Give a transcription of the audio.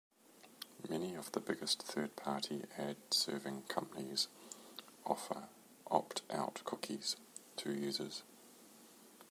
Many of the biggest third party ad-serving companies offer "opt-out cookies" to users.